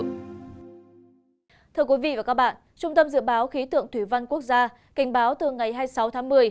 thưa quý vị và các bạn trung tâm dự báo khí tượng thủy văn quốc gia cảnh báo từ ngày hai mươi sáu tháng một mươi